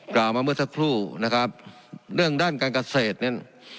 กล่าวมาเมื่อสักครู่นะครับเรื่องด้านการเกษตรเนี่ย